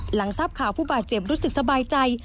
หลังทราบข่าวผู้บาดเจ็บรู้สึกสบายใจ